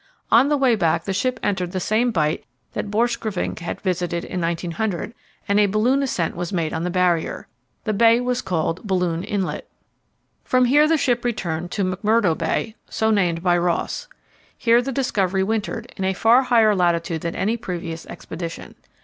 On the way back the ship entered the same bight that Borchgrevink had visited in 1900, and a balloon ascent was made on the Barrier. The bay was called Balloon Inlet. From here the ship returned to McMurdo Bay, so named by Ross. Here the Discovery wintered, in a far higher latitude than any previous expedition.